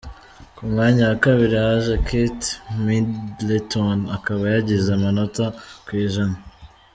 Ku mwanya wa kabiri haje Kate Middleton akaba yagize amanota , ku ijana.